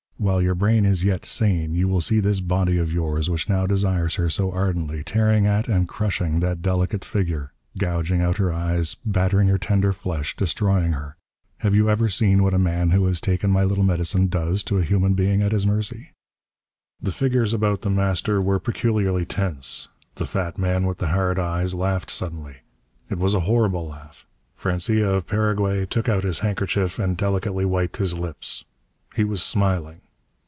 While your brain is yet sane you will see this body of yours which now desires her so ardently, tearing at and crushing that delicate figure, gouging out her eyes, battering her tender flesh, destroying her.... Have you ever seen what a man who has taken my little medicine does to a human being at his mercy?" The figures about The Master were peculiarly tense. The fat man with the hard eyes laughed suddenly. It was a horrible laugh. Francia of Paraguay took out his handkerchief and delicately wiped his lips. He was smiling.